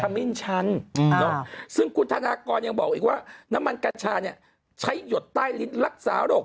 มิ้นชันซึ่งคุณธนากรยังบอกอีกว่าน้ำมันกัญชาเนี่ยใช้หยดใต้ลิ้นรักษาโรค